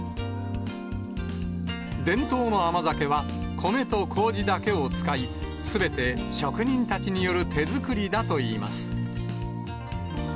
伝統の甘酒は、米とこうじだけを使い、すべて職人たちによる手作りだといいます。